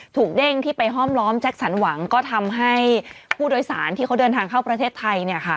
เด้งที่ไปห้อมล้อมแจ็คสันหวังก็ทำให้ผู้โดยสารที่เขาเดินทางเข้าประเทศไทย